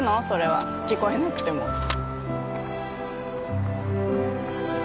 それは聞こえなくても